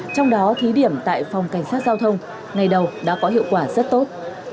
trong đó thí điểm tại phòng cảnh sát giao thông ngày đầu đã có hiệu quả rất tốt